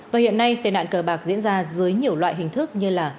và hiện nay tệ nạn cờ bạc diễn ra dưới nhiều loại hình thức như là